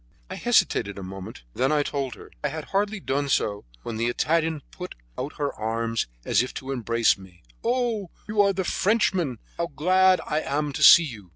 I hesitated a moment, and then I told her. I had hardly done so when the Italian put out her arms as if to embrace me. "Oh! you are the Frenchman how glad I am to see you!